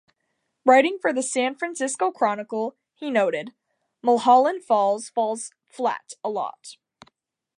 Writing for the "San Francisco Chronicle", he noted, "Mulholland Falls" falls flat a lot.